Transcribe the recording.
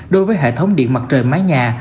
đối với hệ thống điện mặt trời máy nhà